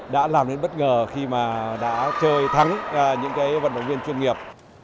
đã làm nên bất ngờ khi mà đã chơi thắng những vận động viên chuyên nghiệp